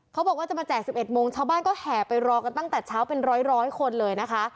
เขาบอกว่าจะมาแจก๑๑โมงชาวบ้านก็แห่ไปรอกันตั้งแต่เช้าเป็นร้อยคนเลยนะคะ